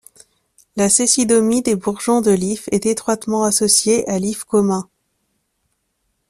La cécidomyie des bourgeons de l'if est étroitement associée à l'if commun.